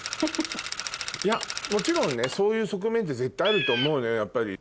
いやもちろんねそういう側面って絶対あると思うのよやっぱり。